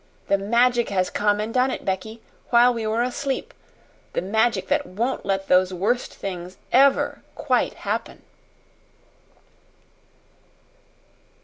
The Magic has come and done it, Becky, while we were asleep the Magic that won't let those worst things EVER quite happen."